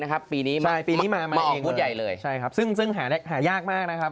นะครับปีนี้ใบปีนี้มาอย่างเลยครับซึ่งหาได้หยากมากนะครับ